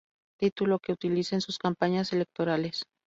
Título que utiliza en sus campañas electorales.